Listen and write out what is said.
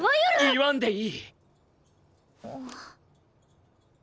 言わんでいい！